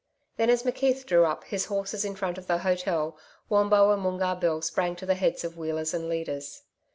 Then as McKeith drew up his horses in front of the hotel, Wombo and Moongarr Bill sprang to the heads of wheelers and leaders.